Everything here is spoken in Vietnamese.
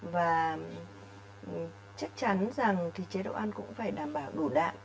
và chắc chắn rằng chế độ ăn cũng phải đảm bảo đủ đạm